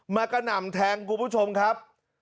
มากระหน่ำแทงกลุ่มผู้ชมครับ